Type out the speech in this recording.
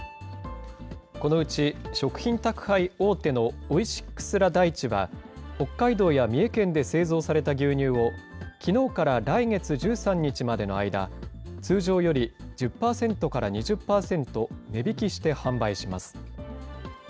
このうち、食品宅配大手のオイシックス・ラ・大地は、北海道や三重県で製造された牛乳を、きのうから来月１３日までの間、通常より１０％から２０％値引きして販売します。